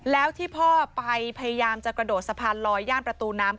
แล้วที่พ่อไปพยายามจะกระโดดสะพานลอยย่านประตูน้ำ